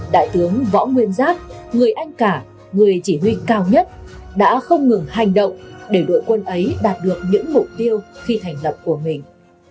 đại tướng võ nguyên giáp người anh cả người chỉ huy cao nhất đã không ngừng hành động để đội quân ấy đạt được những mục tiêu khi thành lập của mình